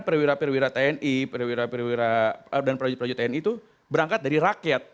pada saat itu perwira perwira dan prajurit prajurit tni itu berangkat dari rakyat